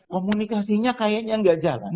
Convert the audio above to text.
komunikasinya kayaknya gak jalan